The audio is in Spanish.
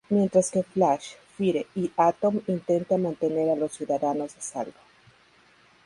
Mientras que Flash, Fire y Atom intentan mantener a los ciudadanos a salvo.